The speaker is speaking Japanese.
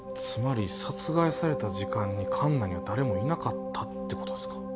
つまり殺害された時間に館内には誰もいなかったってことですか？